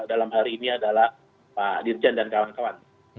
dalam hari ini adalah pak dirjen dan kawan kawan